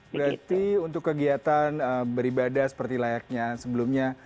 berarti untuk kegiatan beribadah seperti layaknya sebelumnya